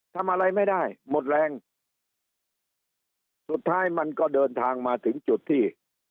ทำอะไรไม่ได้หมดแรงสุดท้ายมันก็เดินทางมาถึงจุดที่